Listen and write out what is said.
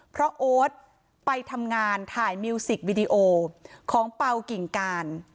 เพราะโอ๊ตไปทำงานถ่ายมิวสิกวิดีโอของเป่ากิ่งการ